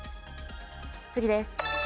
次です。